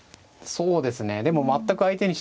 そうですね。